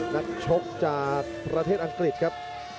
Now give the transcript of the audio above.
นักชกจากประเทศอังกฤษครับ